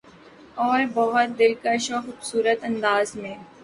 اور بہت دلکش اورخوبصورت انداز میں